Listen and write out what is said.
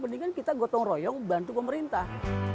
mendingan kita gotong royong bantu pemerintah